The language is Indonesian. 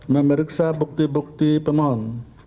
memeriksa bukti bukti pemohon